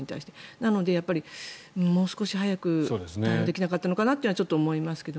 なのでもう少し早く対応できなかったのかなというのは思いますけれど。